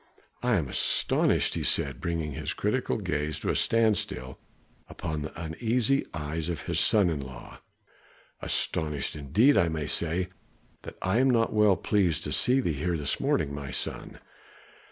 "I am astonished," he said, bringing his critical gaze to a standstill upon the uneasy eyes of his son in law, "astonished, indeed I may say that I am not well pleased to see thee here this morning, my son.